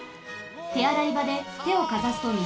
てあらいばでてをかざすとみずがでるもの。